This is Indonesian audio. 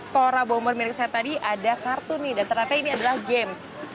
tora bommer milik saya tadi ada kartu nih dan ternyata ini adalah games